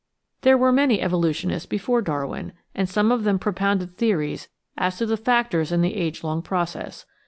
There were many evolutionists before Darwin, and some of them propounded theories as to the factors in the age long process.